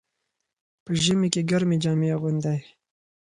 په ژمي کې ګرمې جامې اغوندئ.